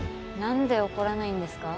なんで怒らないんですか？